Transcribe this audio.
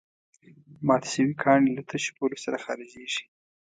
مات شوي کاڼي له تشو بولو سره خارجېږي.